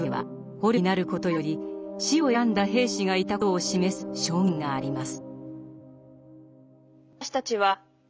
捕虜になることより死を選んだ兵士がいたことを示す証言があります。